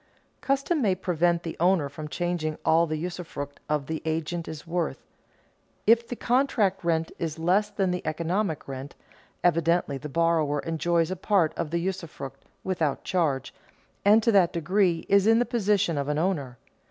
Custom may prevent the owner from charging all the usufruct of the agent is worth. If the contract rent is less than the economic rent, evidently the borrower enjoys a part of the usufruct, without charge, and to that degree is in the position of an owner.